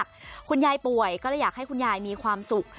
คุณยายป่วยก็เลยอยากให้คุณยายมีความสุข